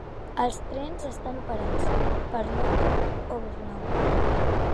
Els trens estan operats per London Overground.